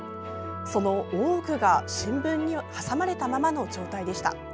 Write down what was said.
その多くが新聞に挟まれたままの状態でした。